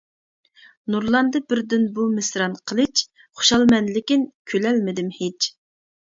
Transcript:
نۇرلاندى بىردىن بۇ مىسران قىلىچ، خۇشالمەن لېكىن كۈلەلمىدىم ھېچ.